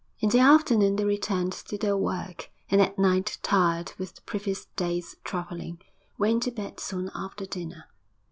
In the afternoon they returned to their work, and at night, tired with the previous day's travelling, went to bed soon after dinner.